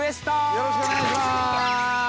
◆よろしくお願いします。